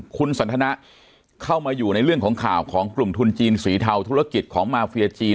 คุณสันทนะเข้ามาอยู่ในเรื่องของข่าวของกลุ่มทุนจีนสีเทาธุรกิจของมาเฟียจีน